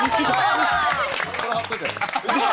これ、貼っといて。